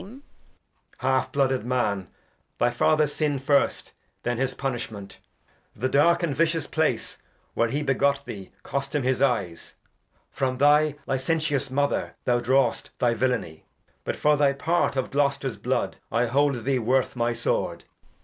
Edg. Half blooded Man, 246 The History of [Act v Thy Father's Sin first, then his Punishment ; The dark and vicious Place where he begot thee Cost him his Eyes ; from thy Ucentious Mother Thou draw'st thy Villany ; but for thy Part, Of Gloster's Blood, I hold thee worth my Sword.